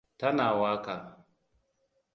Tana waƙa.